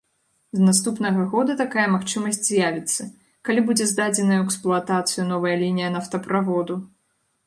З наступнага года такая магчымасць з'явіцца, калі будзе здадзеная ў эксплуатацыю новая лінія нафтаправоду.